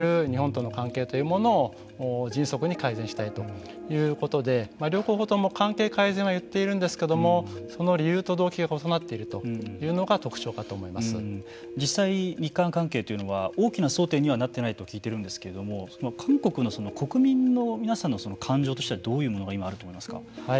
そのためにはアメリカが求めている日本との関係というものを迅速に改善したいということで両候補とも関係改善は言っているんですけれどもその理由と動機が異なっているというのが実際日韓関係というのは大きな争点にはなっていないと聞いているんですけれども韓国の国民の皆さんの感情としてはどういうものが今あると思いますか。